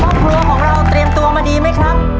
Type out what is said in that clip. ครอบครัวของเราเตรียมตัวมาดีไหมครับ